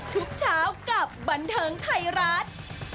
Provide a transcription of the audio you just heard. ทุกเช้ากับบันเทิงไทยรัฐ